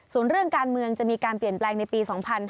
ส่วนเรื่องการเมืองจะมีการเปลี่ยนแปลงในปี๒๕๕๙